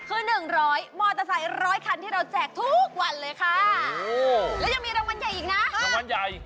คือ๑๐๐มอเตอร์ไซค์๑๐๐คันที่เราแจกทุกวันเลยค่ะ